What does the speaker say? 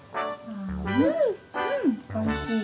うんおいしい。